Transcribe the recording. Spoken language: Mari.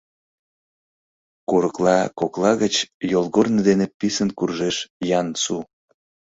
Курыкла кокла гыч йолгорно дене писын куржеш Ян-Су.